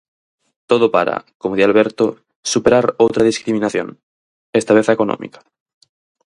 Todo para, como di Alberto, "superar outra discriminación", esta vez a económica.